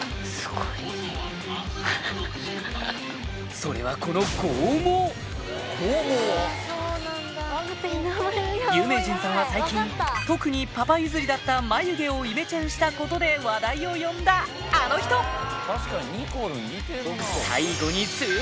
それはこの有名人さんは最近特にパパ譲りだった眉毛をイメチェンしたことで話題を呼んだあの人最後にあっ！